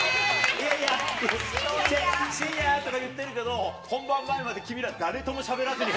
いやいや、晋也とか言ってるけど、本番が終わるまで君ら、誰ともしゃべらずに。